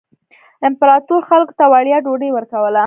امپراتور خلکو ته وړیا ډوډۍ ورکوله.